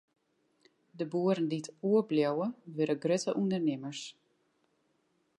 De boeren dy't oerbliuwe, wurde grutte ûndernimmers.